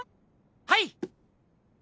はい。